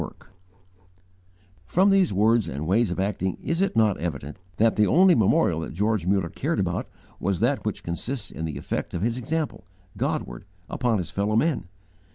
'_ From these words and ways of acting, is it not evident, that the only 'memorial' that George Muller cared about was that which consists in the effect of his example, Godward, upon his fellow men?